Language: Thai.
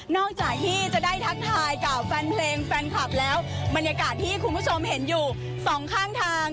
จากที่จะได้ทักทายกับแฟนเพลงแฟนคลับแล้วบรรยากาศที่คุณผู้ชมเห็นอยู่สองข้างทาง